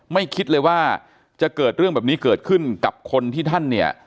คิดเลยว่าจะเกิดเรื่องแบบนี้เกิดขึ้นกับคนที่ท่านเนี่ย